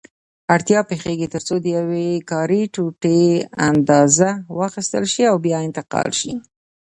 اړتیا پېښېږي ترڅو د یوې کاري ټوټې اندازه واخیستل شي او بیا انتقال شي.